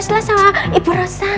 sebelas dua belas lah sama ibu rosa